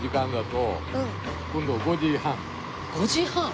５時半？